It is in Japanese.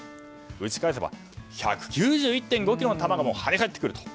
打ち返せば１９１．５キロの球が跳ね返ってくる。